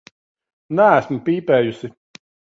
Neesmu pīpējusi.